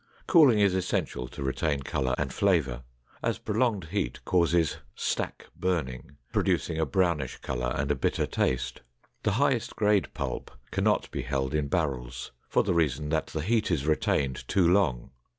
Cooling is essential to retain color and flavor, as prolonged heat causes "stack burning," producing a brownish color and a bitter taste. The highest grade pulp can not be held in barrels for the reason that the heat is retained too long.